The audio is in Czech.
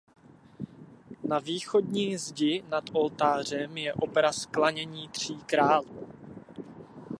Na východní zdi nad oltářem je obraz "Klanění tří králů".